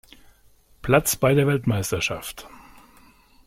Platz bei der Weltmeisterschaft.